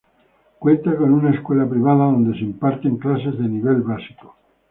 Cuenta con una escuela privada, donde se imparten clases de nivel básico.